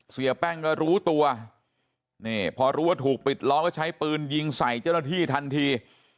เสียแป้งก็รู้ตัวนี่พอรู้ว่าถูกปิดล้อมแล้วใช้ปืนยิงใส่เจ้าหน้าที่ทันที